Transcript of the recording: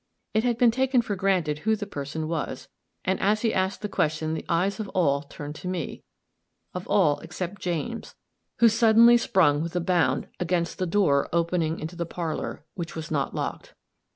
It had been taken for granted who the person was, and as he asked the question the eyes of all turned to me of all except James, who suddenly sprung with a bound against the door opening into the parlor, which was not locked.